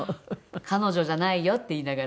「彼女じゃないよ」って言いながら。